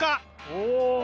お！